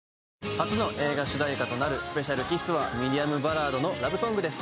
初の映画主題歌となる「ＳｐｅｃｉａｌＫｉｓｓ」はミディアムバラードのラブソングです